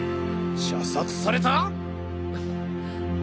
射殺された！？